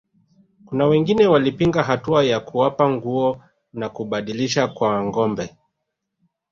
Kuna wengine walipinga hatua ya kuwapa nguo na kubadilishana kwa ngombe